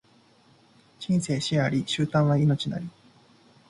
人生死あり、終端は命なり